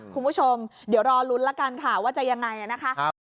คุณผู้ชมเดี๋ยวรอลุ้นละกันค่ะว่าจะยังไงนะคะ